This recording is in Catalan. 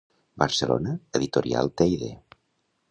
Barcelona, Editorial Teide.